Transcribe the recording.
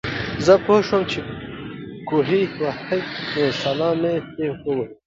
زۀ پوهه شوم چې کوهے وهي نو سلام مو پرې ووې